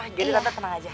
jadi tante tenang aja